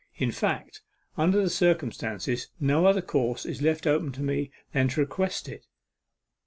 In fact, under the circumstances, no other course is left open to me than to request it.